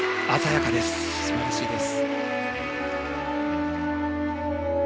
素晴らしいです。